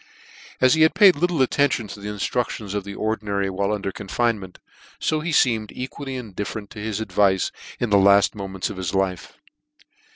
As he had paid little attention to the inftruc tions of (lie Ordinary while under confinement, fo he feemed equally indifferent to his advice in the laft moments of his life.